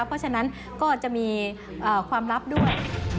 เพราะฉะนั้นก็จะมีความลับด้วย